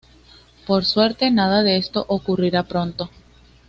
Por suerte, nada de esto ocurrirá pronto".